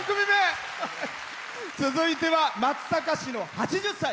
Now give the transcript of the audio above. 続いては松阪市の８０歳。